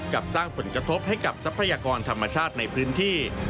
กับสร้างผลกระทบให้กับทรัพยากรธรรมชาติในพื้นที่